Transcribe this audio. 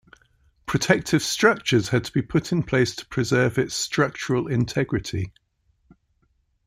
Protective structures had to be put in place to preserve its structural integrity.